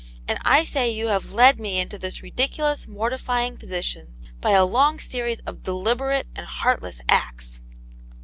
And I say you have led me into this ridiculous, mortifying position by a long series of deliberate and heartless acts."